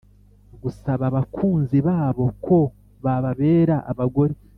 gusaba abakunzi babo ko bababera abagore